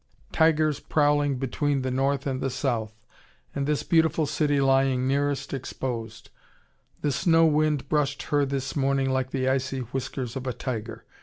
Tigers prowling between the north and the south. And this beautiful city lying nearest exposed. The snow wind brushed her this morning like the icy whiskers of a tiger.